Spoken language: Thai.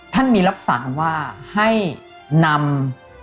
ท่านจะมีรับสั่งให้นำ